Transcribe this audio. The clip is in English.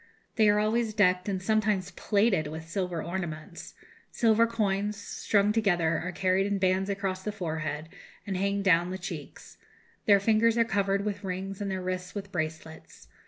They are always decked and sometimes plated with silver ornaments. Silver coins, strung together, are carried in bands across the forehead, and hang down the cheeks. Their fingers are covered with rings and their wrists with bracelets.